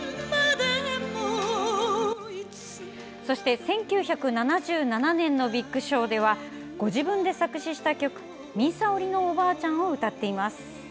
そして１９７７年の「ビッグショー」ではご自分で作詞した曲「みんさ織りのおばあちゃん」を歌っています。